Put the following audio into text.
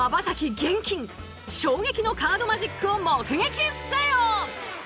厳禁衝撃のカードマジックを目撃せよ！